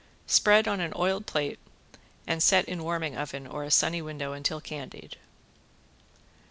Spread on an oiled plate and set in warming oven or a sunny window until candied.